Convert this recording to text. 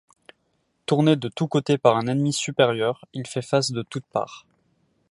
Tourné de tous côtés par un ennemi supérieur, il fait face de toutes parts.